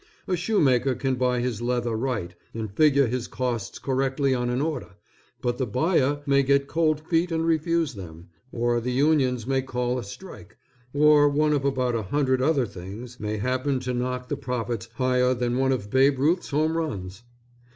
A shoemaker can buy his leather right, and figure his costs correctly on an order, but the buyer may get cold feet and refuse them, or the unions may call a strike, or one of about a hundred other things may happen to knock the profits higher than one of Babe Ruth's home runs.